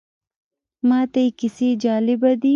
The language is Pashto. ماته یې کیسې جالبه دي.